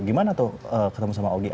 gimana tuh ketemu sama ogi